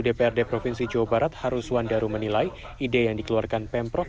jadi anggota komisi satu dprd provinsi jawa barat haruswan daru menilai ide yang dikeluarkan dalam perkembangan zaman